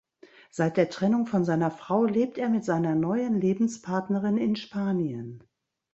Seit der Trennung von seiner Frau lebt er mit seiner neuen Lebenspartnerin in Spanien.